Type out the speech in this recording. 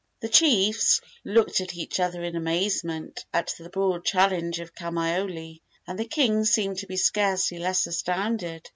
The chiefs looked at each other in amazement at the broad challenge of Kamaiole, and the king seemed to be scarcely less astounded.